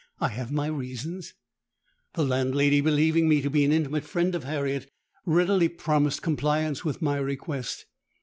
I have my reasons.' The landlady, believing me to be an intimate friend of Harriet, readily promised compliance with my request.